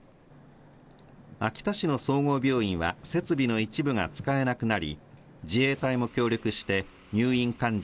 秋田市の総合病院は設備の一部が使えなくなり、自衛隊も協力して入院患者